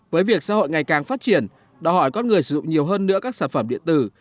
với việc xã hội ngày càng phát triển đòi hỏi con người sử dụng nhiều hơn nữa các sản phẩm điện tử